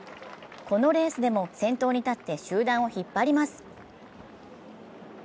このレースでも先頭に立って集団を引っ張ります。